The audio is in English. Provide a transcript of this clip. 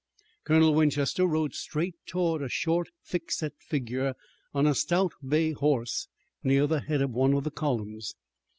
Colonel Winchester rode straight toward a short, thickset figure on a stout bay horse near the head of one of the columns.